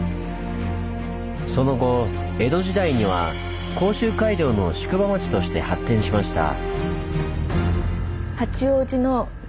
その後江戸時代には甲州街道の宿場町として発展しました。